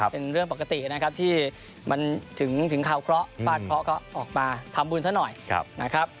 เป็นเรื่องปกตินะครับที่มันถึงข่าวเคราะห์ฟาดเคราะห์ก็ออกมาทำบุญซะหน่อยนะครับ